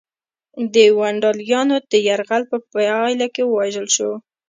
د ونډالیانو د یرغل په پایله کې ووژل شو.